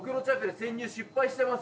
潜入失敗してます。